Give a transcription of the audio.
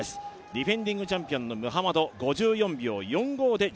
ディフェンディングチャンピオンのムハマド、５４秒４５。